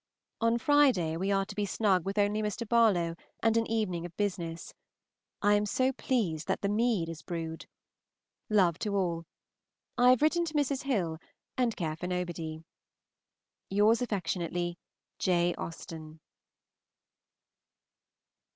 On Friday we are to be snug with only Mr. Barlowe and an evening of business. I am so pleased that the mead is brewed. Love to all. I have written to Mrs. Hill, and care for nobody. Yours affectionately, J. AUSTEN.